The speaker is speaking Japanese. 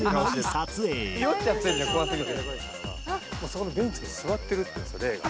そこのベンチに座ってるっていうんですよ霊が。